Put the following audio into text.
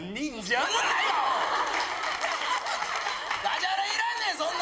ダジャレいらんねん！